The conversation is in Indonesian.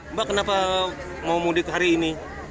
mbak kenapa mau mudik hari ini